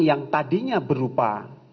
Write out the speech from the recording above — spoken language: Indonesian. yang tadinya berupa